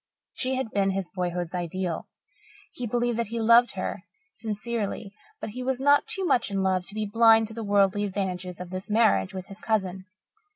She had been his boyhood's ideal. He believed that he loved her sincerely, but he was not too much in love to be blind to the worldly advantages of his marriage with his cousin.